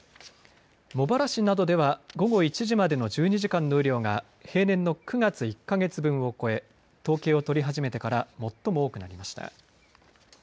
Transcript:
茂原市などでは午後１時までの１２時間の雨量が平年の９月１か月分を超え統計を取り始めてから最も多くなりました。